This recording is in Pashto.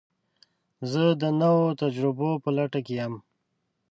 زه د نوو تجربو په لټه کې یم.